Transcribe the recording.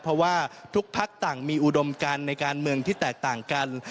เพราะว่าทุกพักต่างมีอุดมการในการเมืองที่แตกต่างกัน